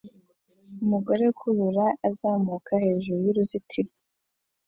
umugore ukurura azamuka hejuru y'uruzitiro